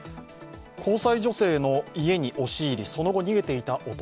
交際女性の家に押し入り、その後逃げていた男。